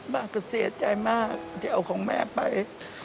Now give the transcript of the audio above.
แม่ก็เสียใจมากที่เอาของแม่ไป